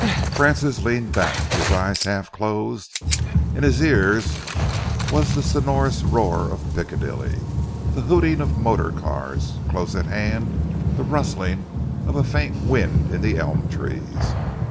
Francis leaned back, his eyes half closed. In his ears was the sonorous roar of Piccadilly, the hooting of motor cars, close at hand the rustling of a faint wind in the elm trees.